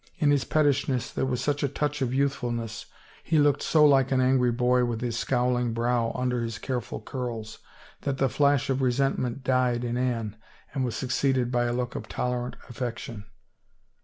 In his pettishness there was such a touch of youth fulness, he looked so like an angry boy with his scowling brow under his careful curls, that the flash of resentment died in Anne and was suc ceeded by a look of tolerant affection.